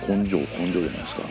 根性じゃないですか。